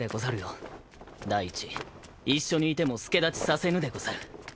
第一一緒にいても助太刀させぬでござる。